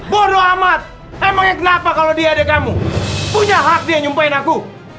bodo amat emangnya kenapa kalo dia adik kamu punya hak dia nyumpain aku